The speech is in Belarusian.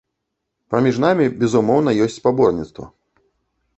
Паміж намі, безумоўна, ёсць спаборніцтва.